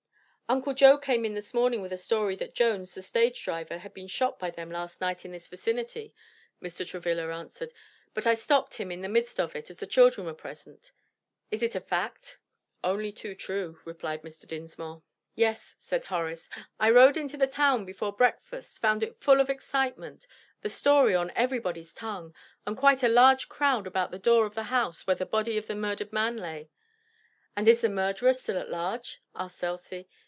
"Uncle Joe came in this morning with a story that Jones, the stage driver had been shot by them last night in this vicinity," Mr. Travilla answered, "but I stopped him in the midst of it, as the children were present. Is it a fact?" "Only too true," replied Mr. Dinsmore. "Yes," said Horace, "I rode into the town, before breakfast, found it full of excitement; the story on everybody's tongue, and quite a large crowd about the door of the house where the body of the murdered man lay." "And is the murderer still at large," asked Elsie.